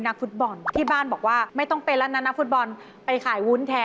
สวัสดีครับสวัสดีครับสวัสดีคร้าาาาา